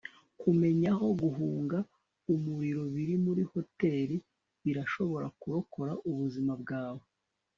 kumenya aho guhunga umuriro biri muri hoteri birashobora kurokora ubuzima bwawe